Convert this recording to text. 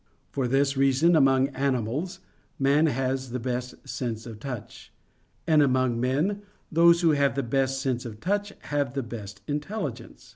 For this reason among animals, man has the best sense of touch. And among men, those who have the best sense of touch have the best intelligence.